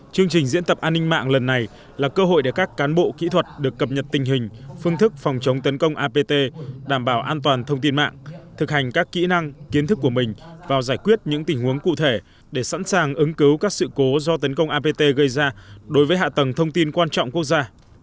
chương trình diễn tập an ninh mạng lần này là cơ hội để các cán bộ kỹ thuật được cập nhật tình hình phương thức phòng chống tấn công apt đảm bảo an toàn thông tin mạng thực hành các kỹ năng kiến thức của mình vào giải quyết những tình huống cụ thể để sẵn sàng ứng cứu các sự cố do tấn công apt gây ra đối với hạ tầng thông tin quan trọng quốc gia